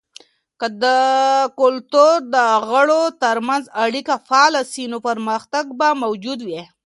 که د کلتور د غړو ترمنځ اړیکې فعاله سي، نو پرمختګ به موجود وي.